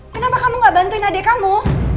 kenapa kamu gak bantuin adik kamu